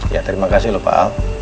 ya terima kasih lho pak